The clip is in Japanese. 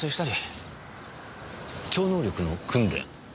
超能力の訓練？